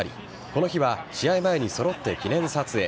この日は試合前に揃って記念撮影。